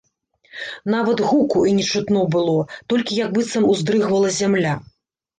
Нават гуку і не чутно было, толькі як быццам уздрыгвала зямля.